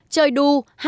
chơi đu chơi văn hóa